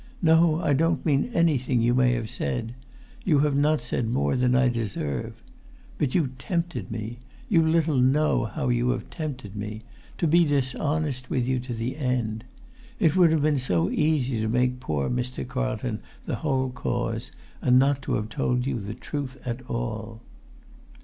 No, I don't mean anything you may have said; you have not said more than I deserve. But you tempted me—you little know how you have tempted me—to be dishonest with you to the end. It would have been so easy to make poor Mr. Carlton the whole cause, and not to have told you the truth at all!"